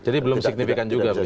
jadi belum signifikan juga begitu